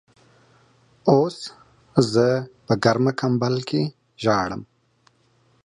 اوس زه په ګرمه کمبل کې ژاړم.